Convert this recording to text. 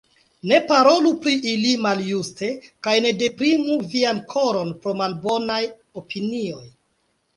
Ne parolu pri ili maljuste kaj ne deprimu vian koron pro malbonaj opinioj.